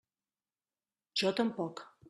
Jo tampoc.